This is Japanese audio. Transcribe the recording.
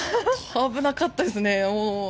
危なかったですね。